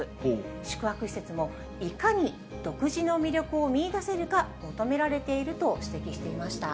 宿泊施設もいかに独自の魅力を見いだせるか、求められていると指摘していました。